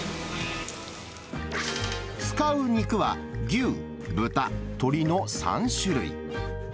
使う肉は牛、豚、鳥の３種類。